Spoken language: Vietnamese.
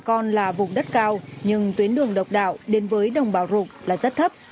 bà con là vùng đất cao nhưng tuyến đường độc đạo đến với đồng bào rục là rất thấp